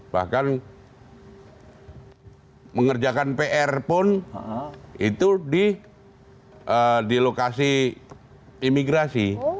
bahkan mengerjakan pr pun itu di lokasi imigrasi